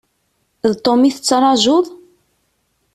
D Tom i tettrajuḍ?